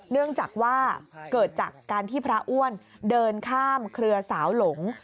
เนื่องจากว่าเกิดจากการที่พระอ้วนเดินข้ามเครือสาวหลง